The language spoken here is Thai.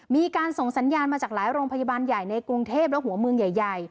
มีการส่งสัญญาณมาจากหลายโรงพยาบาลใหญ่ในกรุงเทพและหัวเมืองใหญ่